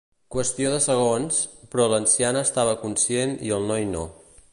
Qüestió de segons, però l'anciana estava conscient i el noi no.